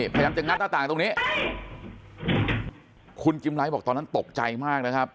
พยายามจะงัดหน้าต่างตรงนี้คุณกิมไลท์บอกตอนนั้นตกใจมากนะครับ